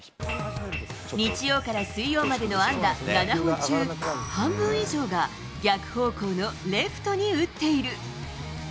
日曜から水曜までの安打７本中半分以上が逆方向のレフトに打っている。